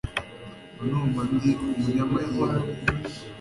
mba numva ndi umunyamahirwe